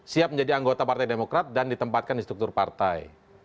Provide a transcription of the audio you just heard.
siap menjadi anggota partai demokrat dan ditempatkan di struktur partai